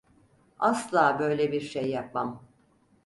Asla böyle bir şey yapmam.